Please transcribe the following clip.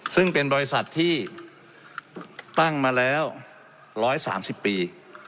ซึ่งเป็นบริษัทที่ตั้งมาแล้ว๑๓๐ปี